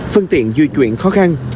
phân tiện di chuyển khó khăn